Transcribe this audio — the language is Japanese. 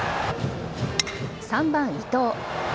３番・伊藤。